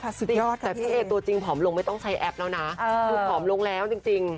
ป๊าเอกตัวจริงของเราฝอมลงไม่ต้องใช้แอปนะคือฟอมลงแล้วจริง